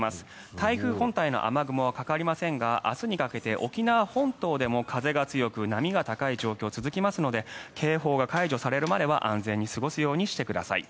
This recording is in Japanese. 台風本体の雨雲はかかりませんが明日にかけて沖縄本島でも風が強く波が高い状況が続きますので警報が解除されるまでは、安全に過ごすようにしてください。